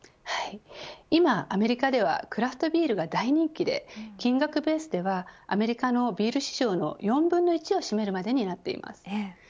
今、アメリカではクラフトビールが大人気で金額ベースではアメリカのビール市場の４分の１を占めるまでになっています。